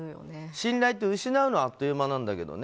信頼って失うのはあっという間なんだけどね